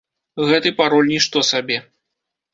Гэты пароль нішто сабе.